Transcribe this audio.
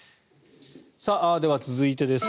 では、続いてです。